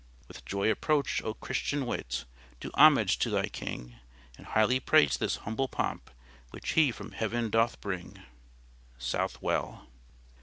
With joy approach, O Christian wight! Do homage to thy King; And highly praise this humble pomp Which He from heaven doth bring. SOUTHWELL.